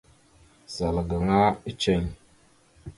Zal gaŋa eceŋ.